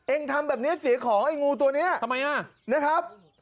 ทำแบบนี้เสียของไอ้งูตัวนี้ทำไมอ่ะนะครับ